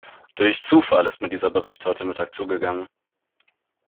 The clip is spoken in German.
Durch Zufall ist mir dieser Bericht heute Mittag zugegangen.